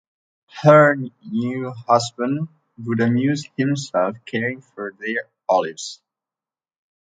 Her new husband would amuse himself caring for their olives.